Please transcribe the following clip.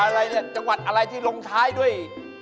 อะไรเนี่ยจังหวัดอะไรที่ลงท้ายด้วย